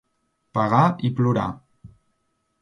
Pagar i plorar.